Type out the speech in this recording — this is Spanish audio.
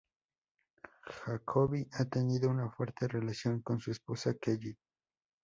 Jacoby ha tenido una fuerte relación con su esposa Kelly.